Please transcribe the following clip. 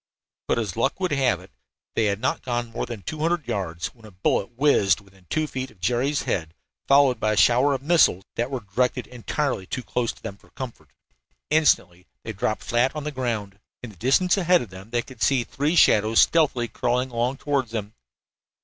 But as luck would have it they had not gone more than two hundred yards when a bullet whizzed within two feet of Jerry's head, followed by a shower of missiles that were directed entirely too close to them for comfort. Instantly they dropped flat on the ground. In the distance ahead of them they could see three shadows stealthily crawling along toward them.